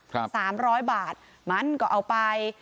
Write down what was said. ครับบาท๓๐๐บาทมันก็เอาไป